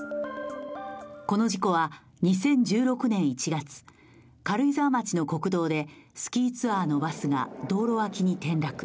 この事故は２０１６年１月、軽井沢町の国道でスキーツアーのバスが道路脇に転落。